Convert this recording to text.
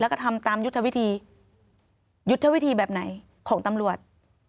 แล้วก็ทำตามยุทธวิธียุทธวิธีแบบไหนของตำรวจ